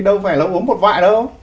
đâu phải là uống một vại đâu